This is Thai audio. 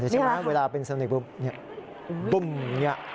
นี่ใช่ไหมเวลาเป็นโซนิกบูมบุ้มอย่างนี้